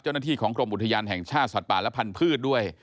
เจ้าหน้าที่ของกรมอุทยานแห่งชาติสัตว์ป่าและพันธุ์ด้วย